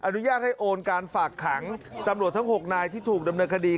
อนุญาตให้โอนการฝากขังตำรวจทั้ง๖นายที่ถูกดำเนินคดี